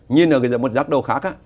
như là một giác đồ khác